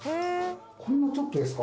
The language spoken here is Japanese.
こんなちょっとですか？